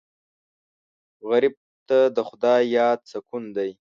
غریب ته د خدای یاد سکون دی